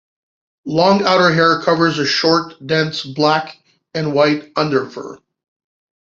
Long outer hair covers a short, dense, black and white underfur.